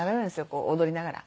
こう踊りながら。